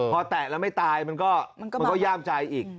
พอแตะแล้วไม่ตายมันก็ย่ามใจอีก